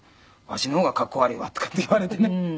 「わしの方がかっこ悪いわ」とかって言われてね。